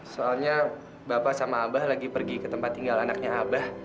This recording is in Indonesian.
soalnya bapak sama abah lagi pergi ke tempat tinggal anaknya abah